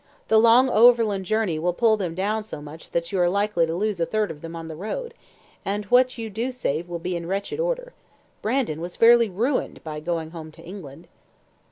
The long overland journey will pull them down so much that you are likely to lose a third of them on the road, and what you do save will be in wretched order. Brandon was fairly ruined by going home to England."